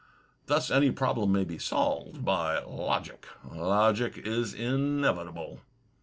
Thus any problem may be solved by logic; logic is inevitable."